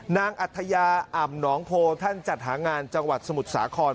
อัธยาอ่ำหนองโพท่านจัดหางานจังหวัดสมุทรสาคร